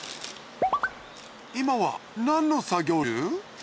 今は何の作業中？